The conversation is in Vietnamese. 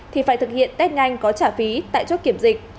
thì phải thực hiện test nhanh có trả phí tại chốt kiểm dịch